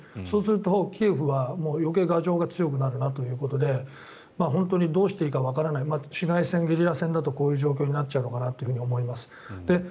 そうするとキエフは余計牙城が強くなるなということで本当にどうしていいかわからない市街戦、ゲリラ戦だとこういう状況になっちゃうのかなと思います。